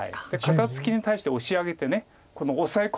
肩ツキに対してオシ上げてオサエ込む。